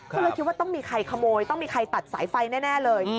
ก็เลยคิดว่าต้องมีใครขโมยต้องมีใครตัดสายไฟแน่เลย